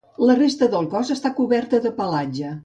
La resta del cos està coberta de pelatge.